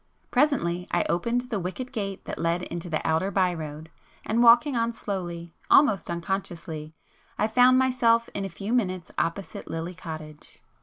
Presently I opened the wicket gate that led into the outer by road, and walking on slowly, almost unconsciously, I found myself in a few minutes opposite 'Lily Cottage.